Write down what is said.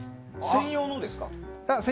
専用のですか？